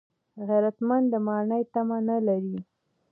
غیرتمند د ماڼۍ تمه نه لري